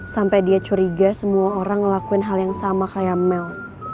sampai dia curiga semua orang ngelakuin hal yang sama kayak mel